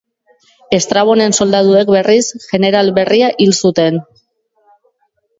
Estrabonen soldaduek, berriz, jeneral berria hil zuten.